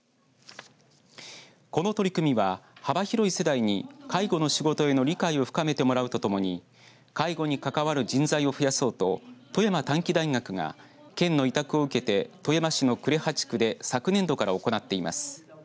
この取り組みは幅広い世代に介護の仕事への理解を深めてもらうとともに介護に関わる人材を増やそうと富山短期大学が県の委託を受けて富山市の呉羽地区で昨年度から行っています。